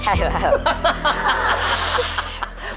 ขอเชิญแสงเดือนมาต่อชีวิต